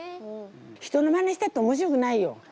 人のマネしたって面白くないよ。